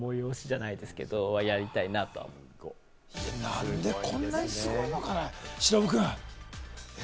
なんでこんなにすごいのかね、忍君。